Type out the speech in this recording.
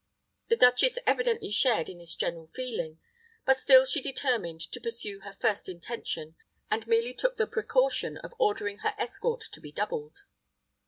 The duchess evidently shared in this general feeling; but still she determined to pursue her first intention, and merely took the precaution of ordering her escort to be doubled.